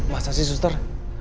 masa sih sister